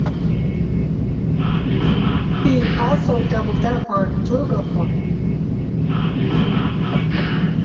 He also doubled up on flugelhorn.